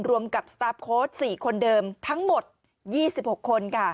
รวมกับสตาร์ฟโค้ด๔คนเดิมทั้งหมด๒๖คนค่ะ